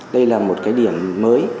đây là một cái điểm mới